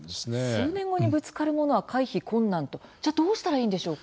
数年後にぶつかるものは回避困難というのはどうしたらいいんでしょうか。